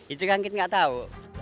itu kan kita tidak tahu